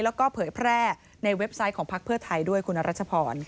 แล้วก็เผยแพร่ในเว็บไซต์ของพักเพื่อไทยด้วยคุณรัชพร